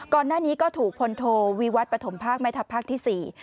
ก่อนหน้านี้ก็ถูกพลโทวิวัตรปฐมภาคแม่ทัพภาคที่๔